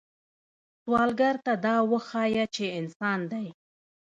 سوالګر ته دا وښایه چې انسان دی